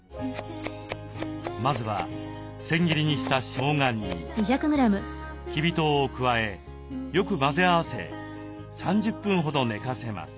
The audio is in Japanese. まずは千切りにしたしょうがにきび糖を加えよく混ぜ合わせ３０分ほど寝かせます。